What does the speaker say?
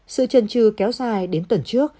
sự trần trừ kéo dài đến tuần trước